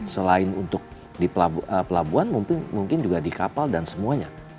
selain untuk di pelabuhan mungkin juga di kapal dan semuanya